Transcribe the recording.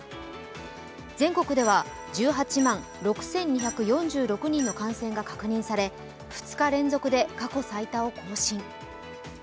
全国では１８万６２４６人の感染が確認され２日連続で過去最多を更新。